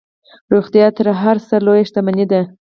روغتیا تر هر څه لویه شتمني ده.